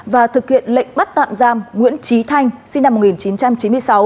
và thực hiện lệnh bắt tạm giam nguyễn trí thanh sinh năm một nghìn chín trăm chín mươi sáu